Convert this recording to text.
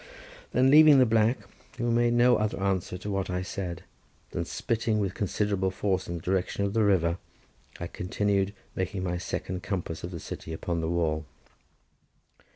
Then leaving the black, who made no other answer to what I said, than by spitting with considerable force in the direction of the river, I continued making my second compass of the city upon the wall.